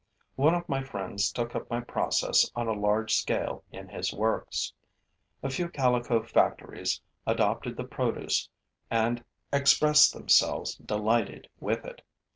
One of my friends took up my process on a large scale in his works; a few calico factories adopted the produce and expressed themselves delighted with it.